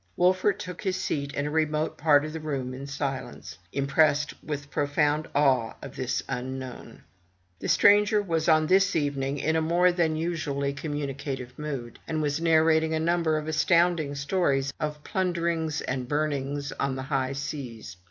Wolfert took his seat in a remote part of the room in silence; impressed with profound awe of this unknown. The stranger was on this evening in a more than usually com 122 FROM THE TOWER WINDOW municative mood, and was narrating a number of astounding stories of plunderings and burnings on the high seas.